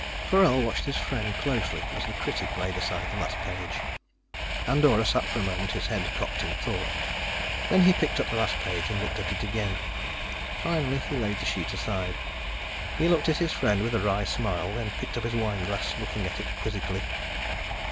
Forell watched his friend closely as the critic laid aside the last page. Andorra sat for a moment, his head cocked in thought. Then, he picked up the last page and looked at it again. Finally, he laid the sheet aside. He looked at his friend with a wry smile, then picked up his wineglass, looking at it quizzically.